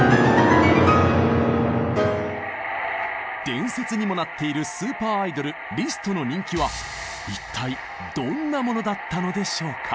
伝説にもなっているスーパーアイドルリストの人気は一体どんなものだったのでしょうか？